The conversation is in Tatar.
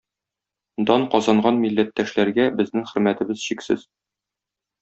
Дан казанган милләттәшләргә безнең хөрмәтебез чиксез.